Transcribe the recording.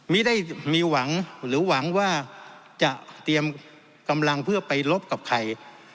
ไม่ได้มีหวังหรือหวังว่าจะเตรียมกำลังเพื่อไปลบกับใคร